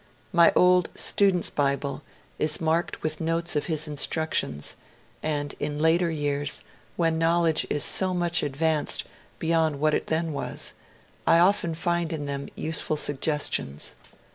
My old ^' Student's Bible " is marked with notes of his instructions, and in later years, when knowledge is so much advanced beyond what it then was, I often find in them useful suggestions.